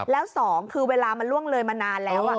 แล้วสองคือเวลามันล่วงเลยมานานแล้ว